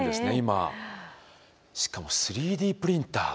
しかも３Ｄプリンターが。